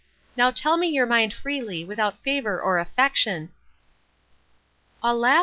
Now tell me your mind freely, without favour or affection. Alas!